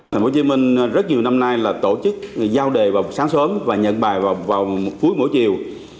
tp hcm rất nhiều năm nay là tổ chức giao đề vào sáng sớm và nhận bài vào cuối mỗi chiều